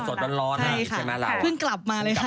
สดร้อนใช่ไหมเราพึ่งกลับมาเลยค่ะ